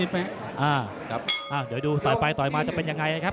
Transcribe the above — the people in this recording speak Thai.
เดี๋ยวดูต่อยไปต่อยมาจะเป็นยังไงนะครับ